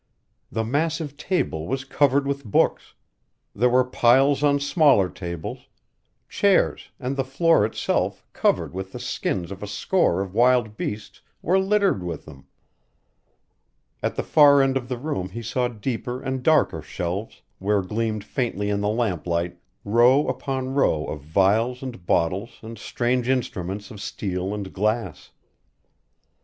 The massive table was covered with books; there were piles on smaller tables; chairs, and the floor itself, covered with the skins of a score of wild beasts, were littered with them. At the far end of the room he saw deeper and darker shelves, where gleamed faintly in the lamplight row upon row of vials and bottles and strange instruments of steel and glass.